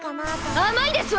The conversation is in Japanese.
甘いですわ！